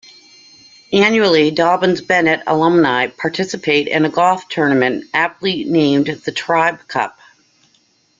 Annually, Dobyns-Bennett alumni participate in a golf tournament aptly named the "Tribe Cup".